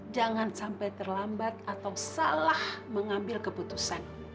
jangan sampai terlambat atau salah mengambil keputusan